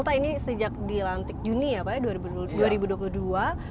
pak ini sejak di lantik juni ya pak ya dua ribu dua puluh dua